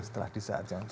setelah di saat yang tepat